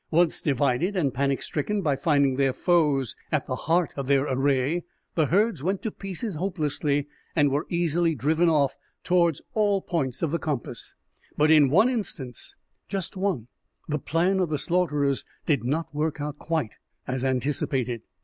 Once divided, and panic stricken by finding their foes at the heart of their array, the herds went to pieces hopelessly, and were easily driven off toward all points of the compass. But in one instance just one the plan of the slaughterers did not work out quite as anticipated.